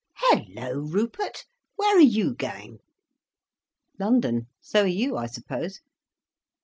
"Hallo, Rupert, where are you going?" "London. So are you, I suppose."